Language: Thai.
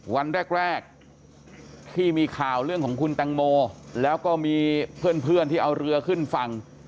วันแรกที่มีข่าวเรื่องของคุณแตงโมแล้วก็มีเพื่อนที่เอาเรือขึ้นฝั่ง